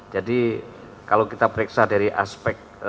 jadi kalau kita periksa dari aspek